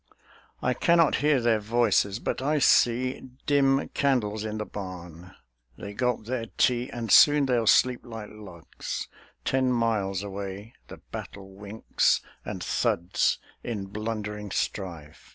IV I cannot hear their voices, but I see Dim candles in the barn: they gulp their tea, And soon they'll sleep like logs. Ten miles away The battle winks and thuds in blundering strife.